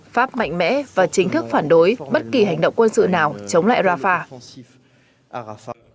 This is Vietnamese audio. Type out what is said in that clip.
pháp mạnh mẽ và chính thức phản đối bất kỳ hành động quân sự nào chống lại rafah